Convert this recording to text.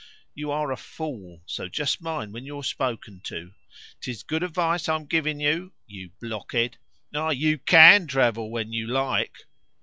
You are a fool, so just mind when you're spoken to. 'Tis good advice I'm giving you, you blockhead. Ah! You CAN travel when you like."